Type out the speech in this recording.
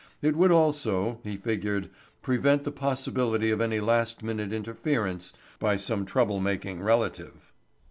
It would also, he figured, prevent the possibility of any last minute interference by some trouble making relative.